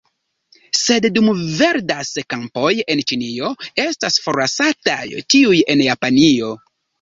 Sed, dum verdas kampoj en Ĉinio, estas forlasataj tiuj en Japanio.